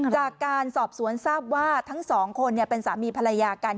จากการสอบสวนทราบว่าทั้งสองคนเป็นสามีภรรยากัน